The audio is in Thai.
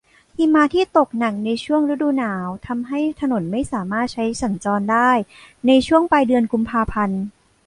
หิมะที่ตกหนักในช่วงฤดูหนาวทำให้ถนนไม่สามารถใช้สัญจรได้ในช่วงปลายเดือนกุมภาพันธ์